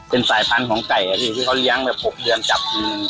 เป็นสายพันธุ์ของไก่อะพี่ที่เขาเลี้ยงแบบ๖เดือนจับ